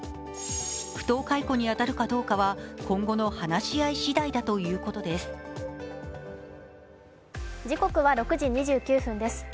不当解雇に当たるかどうかは今後の話し合いしだいだということです。